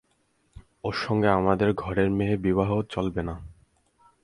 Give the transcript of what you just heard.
ওর সঙ্গে আমাদের ঘরের মেয়ের বিবাহ চলবে না।